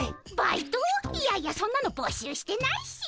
いやいやそんなの募集してないし。